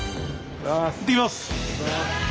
いってきます。